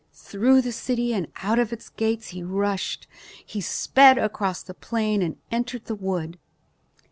Through the city and out of its gates he rushed. He sped across the plain and entered the wood.